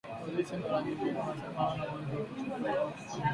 Polisi mara nyingine wanasema hawana uwezo wa kuchunguza au kufanya ukamataji